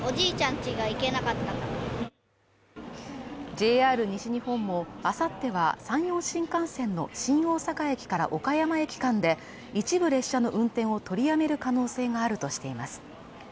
ＪＲ西日本も、あさっては山陽新幹線の新大阪駅から岡山駅間で一部列車の運転を取りやめる可能性があるとしています。